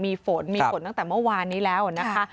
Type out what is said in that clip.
มีฝนมีฝนตั้งแต่เมื่อวานนี้แล้วนะคะ